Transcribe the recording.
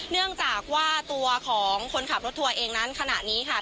เนื่องจากว่าตัวของคนขับรถทัวร์เองนั้นขณะนี้ค่ะ